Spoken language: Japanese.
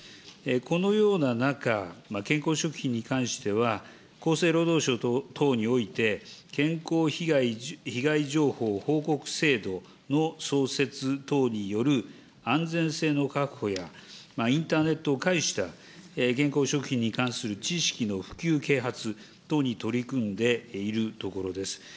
このような中、健康食品に関しては、厚生労働省等において、健康被害情報報告制度の創設等による安全性の確保や、インターネットを介した健康食品に関する知識の普及、啓発等に取り組んでいるところです。